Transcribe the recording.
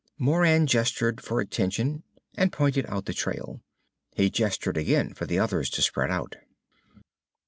Moran gestured for attention and pointed out the trail. He gestured again for the others to spread out.